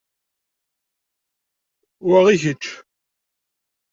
Wa i kečč.